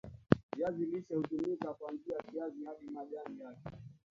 Viazi lishe hutumika kwanzia kiazi hadi majani yake